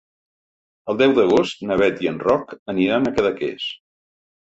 El deu d'agost na Beth i en Roc aniran a Cadaqués.